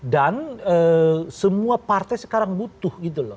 dan semua partai sekarang butuh gitu loh